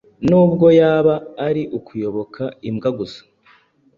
nubwo yaba ari ukuyobora imbwa gusa.